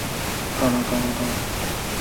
滇越杜英为杜英科杜英属下的一个种。